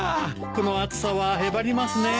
この暑さはへばりますねえ。